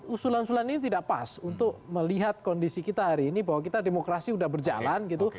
usulan usulan ini tidak pas untuk melihat kondisi kita hari ini bahwa kita demokrasi sudah berjalan gitu